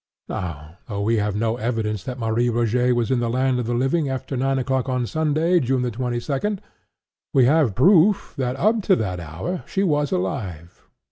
Now, though we have no evidence that Marie Rogêt was in the land of the living after nine o'clock on Sunday, June the twenty second, we have proof that, up to that hour, she was alive.